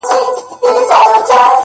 o د ميني داغ ونه رسېدی؛